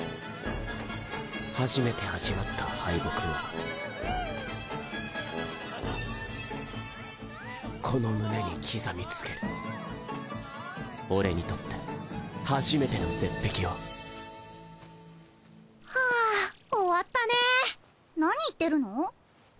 初めて味わった敗北をこの胸に刻みつける俺にとって初めてのゼッペキをはぁー終わったねぇ何言ってるの？